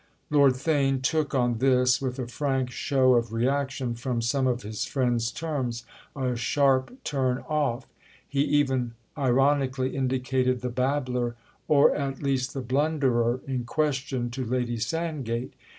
Lord Theign took, on this, with a frank show of reaction from some of his friend's terms, a sharp turn off; he even ironically indicated the babbler or at least the blunderer in question to Lady Sandgate.